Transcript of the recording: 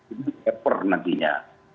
ini paper nantinya